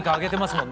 もん